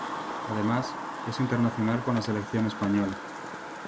Además, es internacional con la selección española.